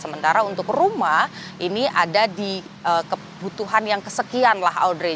karena untuk rumah ini ada di kebutuhan yang kesekian lah audrey